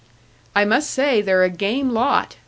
"I must say they're a game lot!"